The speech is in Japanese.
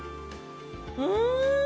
うん！